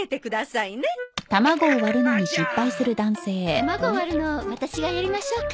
卵を割るのワタシがやりましょうか？